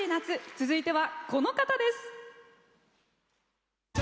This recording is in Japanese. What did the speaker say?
続いては、この方です。